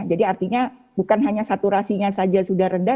jadi artinya bukan hanya saturasinya saja sudah rendah